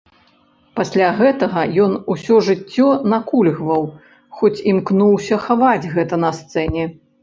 Пасля гэтага ён усё жыццё накульгваў, хоць імкнуўся хаваць гэта на сцэне.